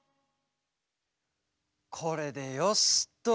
これでよしっと。